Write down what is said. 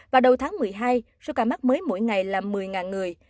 và đầu tháng một mươi hai số ca mắc mới mỗi ngày là một mươi người